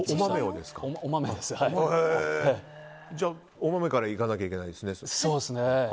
じゃあお豆からいかなきゃいけないですね。